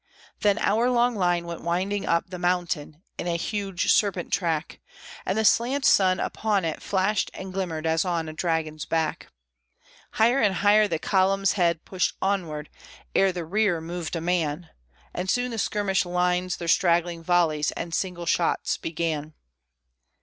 Then our long line went winding up the mountain, in a huge serpent track, And the slant sun upon it flashed and glimmered as on a dragon's back. Higher and higher the column's head pushed onward, ere the rear moved a man; And soon the skirmish lines their straggling volleys and single shots began.